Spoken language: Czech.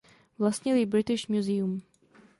Vlastní ji British Museum.